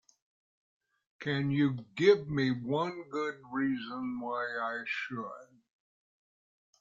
Can you give me one good reason why I should?